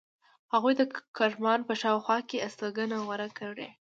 هغوی د کرمان په شاوخوا کې استوګنه غوره کړې.